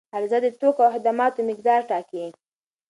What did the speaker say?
عرضه د توکو او خدماتو مقدار ټاکي.